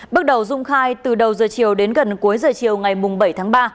bước đầu dung khai từ đầu giờ chiều đến gần cuối giờ chiều ngày bảy tháng ba